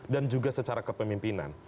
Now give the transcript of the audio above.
dan juga secara kepemimpinan